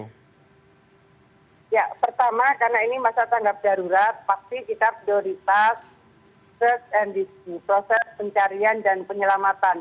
ya pertama karena ini masa tanggap darurat pasti kita prioritas first and dc proses pencarian dan penyelamatan